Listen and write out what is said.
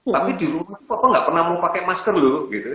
tapi di rumah kok kamu gak pernah mau pakai masker lho